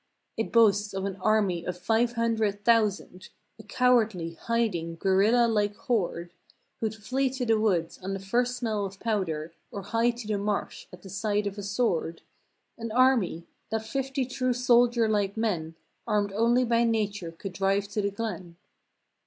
It boasts of an army of five hundred thousand! A cowardly, hiding, guerrilla like horde; Who'd flee to the woods on the first smell of powder Or hie to the marsh at the sight of a sword. An army! That fifty true soldier like men Armed only by nature could drive to the glen.